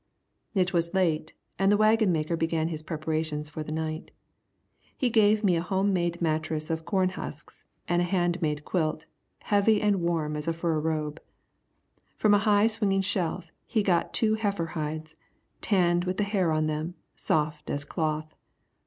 It was late, and the waggon maker began his preparations for the night. He gave me a home made mattress of corn husks and a hand made quilt, heavy and warm as a fur robe. From a high swinging shelf he got two heifer hides, tanned with the hair on them, soft as cloth.